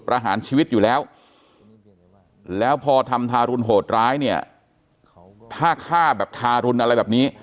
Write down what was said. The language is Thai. ประหารชีวิตอยู่แล้วแล้วพอทำทารุณโหดร้ายเนี่ยถ้าฆ่าแบบทารุณอะไรแบบนี้